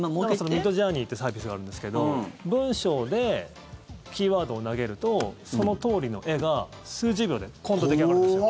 ミッドジャーニーっていうサービスがあるんですけど文章でキーワードを投げるとそのとおりの絵が数十秒でポンと出来上がるんですよ。